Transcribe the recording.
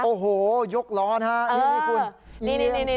โอ้โหยกร้อนห้านี่มีคุณ